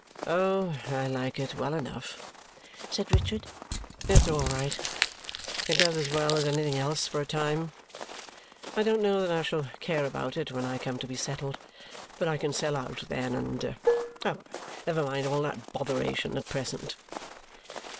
"Oh, I like it well enough!" said Richard. "It's all right. It does as well as anything else, for a time. I don't know that I shall care about it when I come to be settled, but I can sell out then and however, never mind all that botheration at present."